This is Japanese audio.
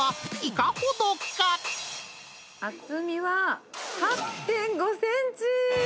厚みは８．５センチ。